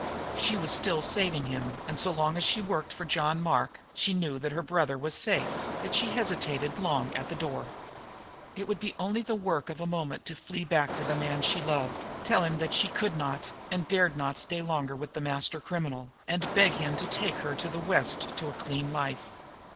She was still saving him, and, so long as she worked for John Mark, she knew that her brother was safe, yet she hesitated long at the door. It would be only the work of a moment to flee back to the man she loved, tell him that she could not and dared not stay longer with the master criminal, and beg him to take her West to a clean life.